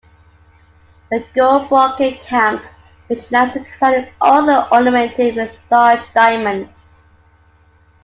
The gold brocade cap which lines the crown is also ornamented with large diamonds.